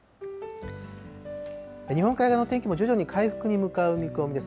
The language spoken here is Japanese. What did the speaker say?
日本海側の天気も徐々に回復に向かう見込みです。